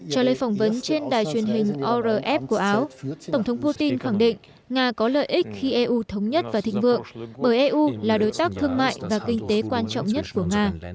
trả lời phỏng vấn trên đài truyền hình orf của áo tổng thống putin khẳng định nga có lợi ích khi eu thống nhất và thịnh vượng bởi eu là đối tác thương mại và kinh tế quan trọng nhất của nga